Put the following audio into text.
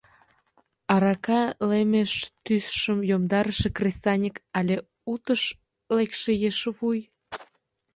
Арака лемеш тӱсшым йомдарыше кресаньык але утыш лекше ешвуй?..